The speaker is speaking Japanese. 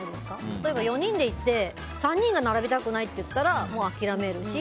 例えば４人で行って３人が並びたくないと言ったらもう諦めるし。